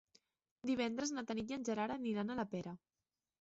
Divendres na Tanit i en Gerard aniran a la Pera.